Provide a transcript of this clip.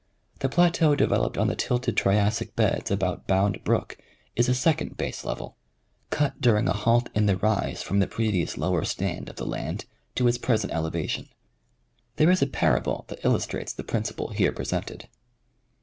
The plateau developed on the tilted Triassic beds about Bound Brook is a second base level, cut during a halt in the rise from the Geogra^liiG Methods in Geologic Investigation. 21 previous lower stand of the land to its present elevation. There is a parable that illustrates the principle here presented.